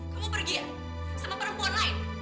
kamu pergi sama perempuan lain